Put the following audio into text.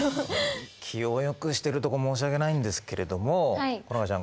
気をよくしてるとこ申し訳ないんですけれども好花ちゃん